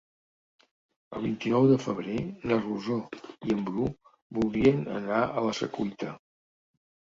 El vint-i-nou de febrer na Rosó i en Bru voldrien anar a la Secuita.